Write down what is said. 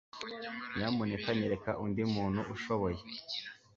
Nyamuneka nyereka undi muntu ushoboye?